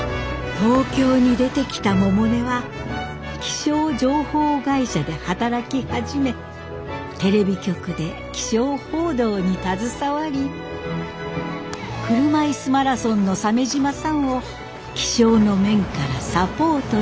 東京に出てきた百音は気象情報会社で働き始めテレビ局で気象報道に携わり車いすマラソンの鮫島さんを気象の面からサポートしたり。